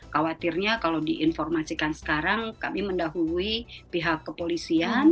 khawatirnya kalau diinformasikan sekarang kami mendahului pihak kepolisian